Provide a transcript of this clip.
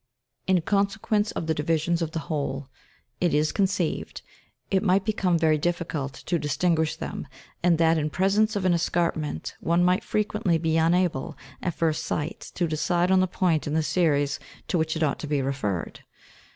In consequence of the divisions of the whole, it is conceived, it might be come very difficult to distinguish them, and that in presence of an escarp ment one might frequently be unable, at first sight, to decide on the point in the series to which it ought to be referred.